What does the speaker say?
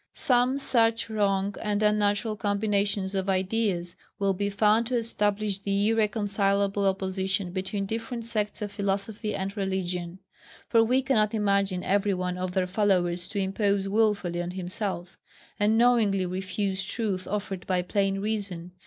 Some such wrong and unnatural combinations of ideas will be found to establish the irreconcilable opposition between different sects of philosophy and religion; for we cannot imagine every one of their followers to impose wilfully on himself, and knowingly refuse truth offered by plain reason.